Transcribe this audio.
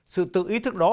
sự tự ý thức đó